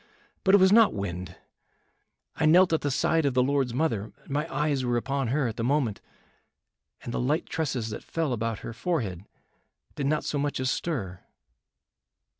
But it was not wind. I knelt at the side of the Lord's mother, my eyes were upon her at the moment, and the light tresses that fell about her forehead did not so much as stir."